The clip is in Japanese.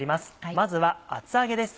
まずは厚揚げです